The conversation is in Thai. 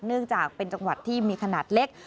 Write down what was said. เนื่องจากเป็นจังหวัดที่มีขนาดเล็ก